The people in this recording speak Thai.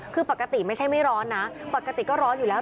คือปกติไม่ใช่ไม่ร้อนนะปกติก็ร้อนอยู่แล้ว